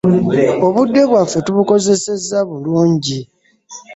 Obudde bwaffe tubukozesezza bulungi.